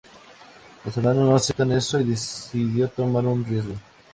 Los hermanos no aceptan eso y decidió tomar un riesgo.